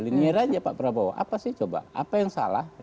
ini raja pak prabowo apa sih coba apa yang salah ya